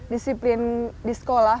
disiplin di sekolah